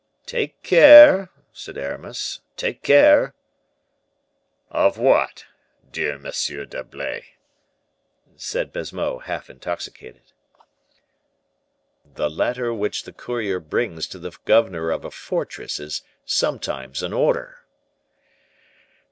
"Take care," said Aramis, "take care!" "Of what? dear M. d'Herblay," said Baisemeaux, half intoxicated. "The letter which the courier brings to the governor of a fortress is sometimes an order."